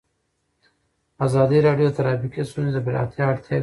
ازادي راډیو د ټرافیکي ستونزې د پراختیا اړتیاوې تشریح کړي.